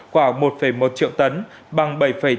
khoảng một một triệu tấn bằng